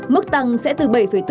mức tăng sẽ từ bảy bốn